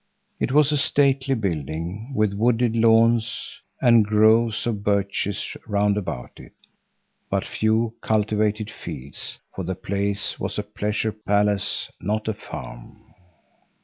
It was a stately building, with wooded lawns and groves of birches round about it, but few cultivated fields, for the place was a pleasure palace, not a farm.